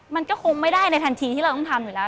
มันก็คงไม่ได้ในทันทีที่เราต้องทำอยู่แล้ว